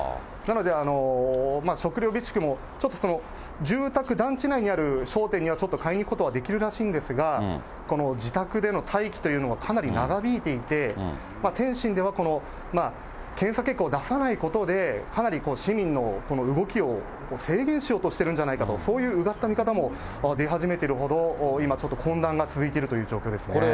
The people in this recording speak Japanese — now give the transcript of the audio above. なので、食料備蓄も、ちょっと住宅、団地内にある商店にはちょっと買いに行くことはできるらしいんですが、この自宅での待機というのがかなり長引いていて、天津では、この検査結果を出さないことで、かなり市民のこの動きを制限しようとしてるんじゃないかと、そういううがった見方も出始めているほど、今、ちょっと混乱が続いているという状況ですね。